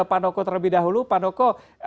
pak moko terlebih dahulu pak moko